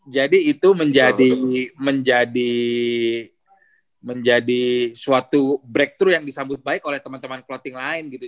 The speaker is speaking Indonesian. jadi itu menjadi suatu breakthrough yang disambut baik oleh temen temen kloting lain gitu